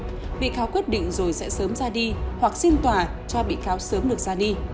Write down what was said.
tuy nhiên bị cáo quyết định rồi sẽ sớm ra đi hoặc xin tòa cho bị cáo sớm được ra đi